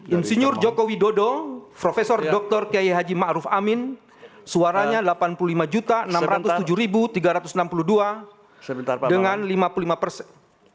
insinyur jokowi dodo profesor dr kiai haji ma'ruf amin suaranya delapan puluh lima enam ratus tujuh tiga ratus enam puluh dua dengan lima puluh lima persen